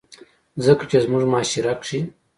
ځکه چې زمونږ معاشره کښې